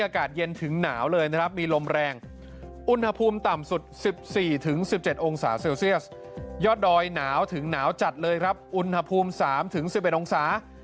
ก็ดอยหนาวถึงหนาวจัดเลยครับอุณหภูมิ๓๑๑องศา